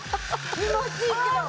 気持ちいいけど。